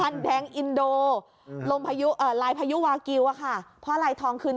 ใช่ค่ะก็ถ้าเกิดว่าผมรวยแล้ว